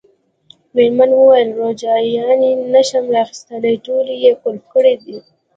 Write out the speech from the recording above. مېرمنې وویل: روجایانې نه شم را اخیستلای، ټولې یې قلف کړي دي.